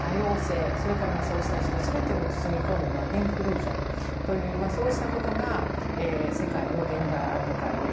それからそうした人全てを包み込むインクルージョンというそうしたことが世界の現代アート界を大きく変えています。